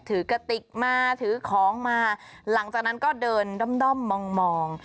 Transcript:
กระติกมาถือของมาหลังจากนั้นก็เดินด้อมมอง